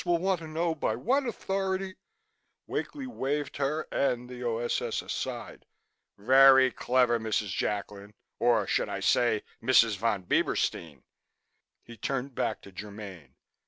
will want to know by what authority " Wakely waved her and the O.S.S. aside. "Very clever, Mrs. Jacklin, or should I say Mrs. Von Bieberstein?" He turned back to Germaine.